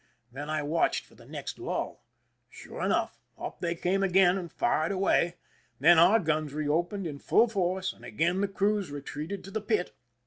Then I watched for the next lull. Sure enough, up they came again, and fired away. Then our guns re opened in full force, and again the crews retreated to the pit.